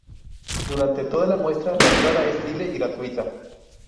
Durante toda la muestra la entrada es libre y gratuita.